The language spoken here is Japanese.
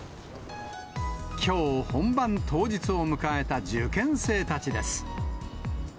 きょう、本番当日を迎えた受験生たちです。